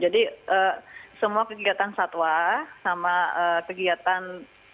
jadi semua kegiatan satwa sama kegiatan